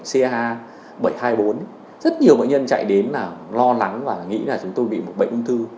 ca bảy trăm hai mươi bốn rất nhiều bệnh nhân chạy đến là lo lắng và nghĩ là chúng tôi bị một bệnh ung thư